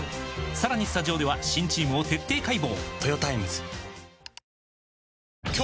さらにスタジオでは新チームを徹底解剖！